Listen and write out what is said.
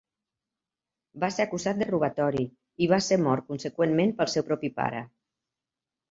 Va ser acusat de robatori i va ser mort conseqüentment pel seu propi pare.